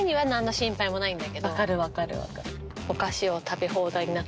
分かる分かる分かる。